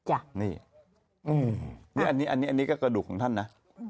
อันนี้ก็กระดูกของท่านนะ